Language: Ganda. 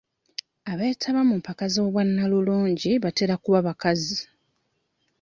Abeetaba mu mpaka z'obwannalulungi batera kuba bakazi.